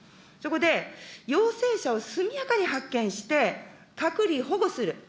そこで陽性者を速やかに発見して、隔離、保護する。